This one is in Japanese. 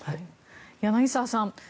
柳澤さん